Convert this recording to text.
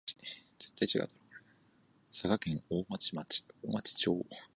佐賀県大町町